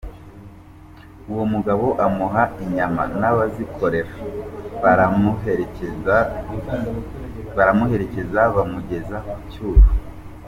Uwo mugabo amuha inyama n’abazikorera, baramuherekeza bamugeza ku Cyuru.